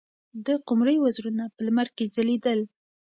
د قمرۍ وزرونه په لمر کې ځلېدل.